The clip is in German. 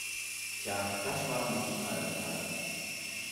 Tja, das waren die guten, alten Zeiten!